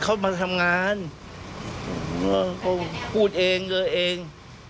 เขามาทำงานเขาพูดเองเลยเอง